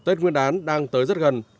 tết nguyên đán đang tới rất gần